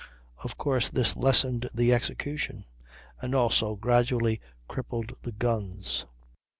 Of course, this lessened the execution, and also gradually crippled the guns.